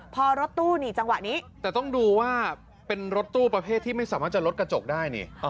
พอรถตู้นี่จังหวะนี้แต่ต้องดูว่าเป็นรถตู้ประเภทที่ไม่สามารถจะลดกระจกได้นี่